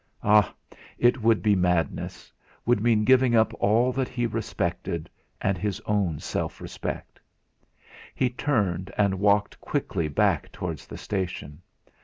Ah! it would be madness, would mean giving up all that he respected, and his own self respect. He turned and walked quickly back towards the station.